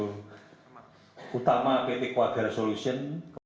pertama pt quadar solution